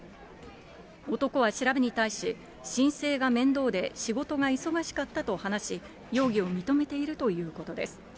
男は調べに対し、申請が面倒で、仕事が忙しかったと話し、容疑を認めているということです。